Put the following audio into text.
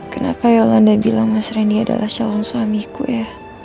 kenapa yolanda bilang mas rendy adalah calon suamiku ya